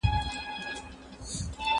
ایا دا اوږدمهاله پروسه ده؟